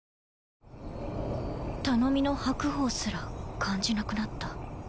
頼みの白鳳すら感じなくなった。